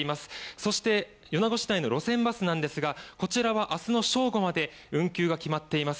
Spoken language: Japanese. そして米子市内の路線バスなんですがこちらは明日の正午まで運休が決まっています。